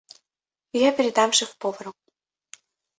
Я передам шеф-повару.